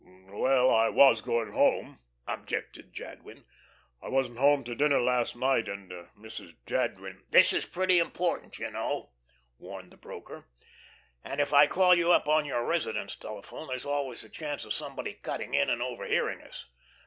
"Well, I was going home," objected Jadwin. "I wasn't home to dinner last night, and Mrs. Jadwin " "This is pretty important, you know," warned the broker. "And if I call you up on your residence telephone, there's always the chance of somebody cutting in and overhearing us."